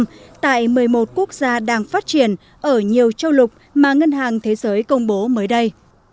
đó là kết quả của một nghiên cứu kéo dài tới một mươi một quốc gia đang phát triển ở nhiều châu lục mà ngân hàng thế giới công bố mới đây